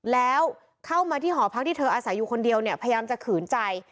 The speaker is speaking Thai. แล้วเข้ามาที่หอพักที่เธออาศัยอยู่คนเดียวเนี่ยพยายามจะขืนใจ